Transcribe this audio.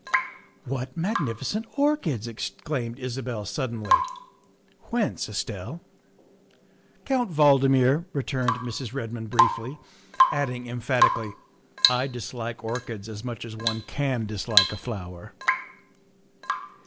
" What magnificent orchids," exclaimed Isabel sud denly. '' Whence, Estelle ?''" Count Valdmir, " returned Mrs. Redmond briefly, adding emphatically, " I dislike orchids as much as one can dislike a flower."